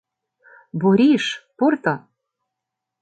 Бориш, пурто.